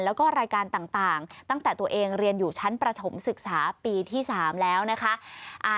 แล้วก็รายการต่างตั้งแต่ตัวเองเรียนอยู่ชั้นประถมศึกษาปีที่๓แล้วนะคะ